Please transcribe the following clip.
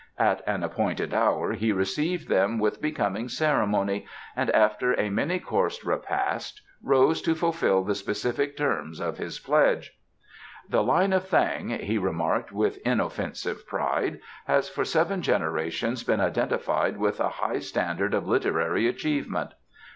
At an appointed hour he received them with becoming ceremony and after a many coursed repast rose to fulfil the specific terms of his pledge. "The Line of Thang," he remarked with inoffensive pride, "has for seven generations been identified with a high standard of literary achievement.